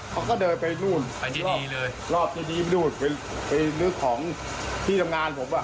เขาก็เดินไปนู่นรอบที่นี่ไปดูดไปนึกของที่ทำงานผม